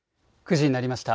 ９時になりました。